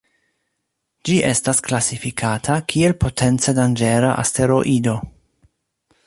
Ĝi estas klasifikata kiel potence danĝera asteroido.